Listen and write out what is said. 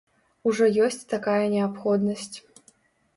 Ужо ёсць такая неабходнасць.